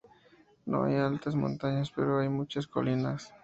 No hay altas montañas, pero hay muchas colinas.